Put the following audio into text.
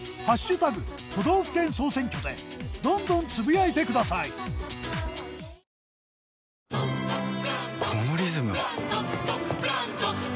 ＃都道府県総選挙でどんどんつぶやいてください！あっ！！！え？？